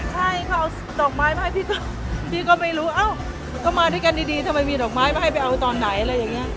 ใช่เขาเอาดอกไม้มาให้พี่ก็ไม่รู้ก็มาด้วยกันดีทำไมมีดอกไม้มาให้ไปเอาตอนไหน